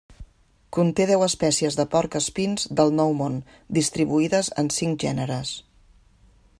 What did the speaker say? Conté deu espècies de porc espins del Nou Món, distribuïdes en cinc gèneres.